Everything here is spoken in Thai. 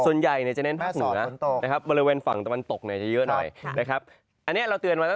ส่วนใหญ่จะเน่นฝนทางเหนือแม่สอดฝนโต